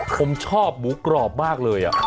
ผมชอบหมูกรอบมากเลย